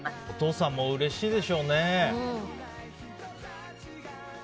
お父さんもうれしいでしょうね。